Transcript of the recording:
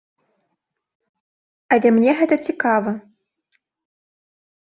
Але мне гэта цікава!